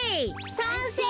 さんせい！